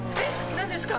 何ですか？